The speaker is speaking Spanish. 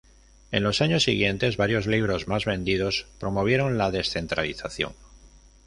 En los años siguientes, varios libros más vendidos promovieron la descentralización.